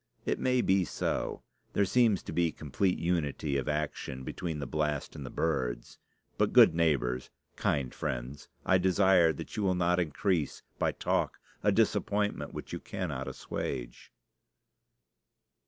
It may be so. There seems to be complete unity of action between the blast and the birds. But good neighbors, kind friends, I desire that you will not increase, by talk, a disappointment which you cannot assuage.